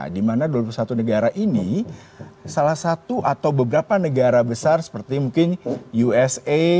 di mana dua puluh satu negara ini salah satu atau beberapa negara besar seperti mungkin usai